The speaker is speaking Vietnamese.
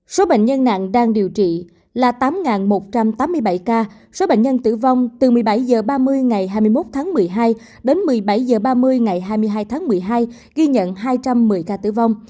số bệnh nhân nặng đang điều trị là tám một trăm tám mươi bảy ca số bệnh nhân tử vong từ một mươi bảy h ba mươi ngày hai mươi một tháng một mươi hai đến một mươi bảy h ba mươi ngày hai mươi hai tháng một mươi hai ghi nhận hai trăm một mươi ca tử vong